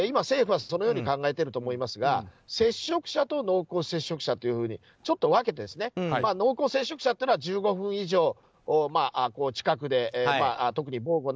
政府はそのように考えてると思いますが接触者と濃厚接触者というふうにちょっと分けて濃厚接触者というのは１５分以上、近くで。